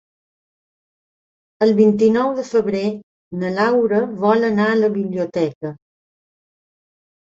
El vint-i-nou de febrer na Laura vol anar a la biblioteca.